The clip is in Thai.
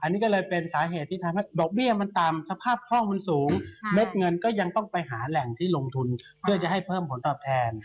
อันนี้ก็เลยเป็นสาเหตุที่ทำให้ดอกเบี้ยมันต่ำสภาพคล่องมันสูงเม็ดเงินก็ยังต้องไปหาแหล่งที่ลงทุนเพื่อจะให้เพิ่มผลตอบแทน